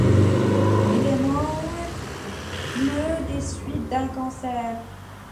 Il est mort le des suites d'un cancer.